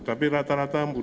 tapi rata rata mudah mudahan